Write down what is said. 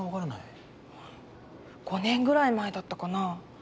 ５年ぐらい前だったかなあ。